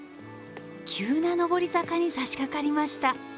急な上り坂にさしかかりました。